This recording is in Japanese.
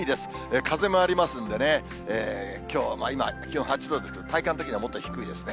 風もありますんでね、きょう、今、気温８度ですけど、体感的にはもっと低いですね。